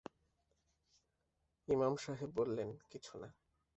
ইমাম সাহেব বললেন, কিছু না।